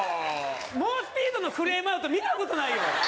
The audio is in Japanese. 猛スピードのフレームアウト見た事ないよ。